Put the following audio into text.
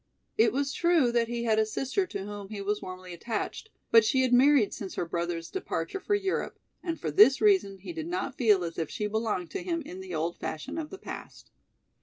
It was true that he had a sister to whom he was warmly attached, but she had married since her brother's departure for Europe, and for this reason he did not feel as if she belonged to him in the old fashion of the past.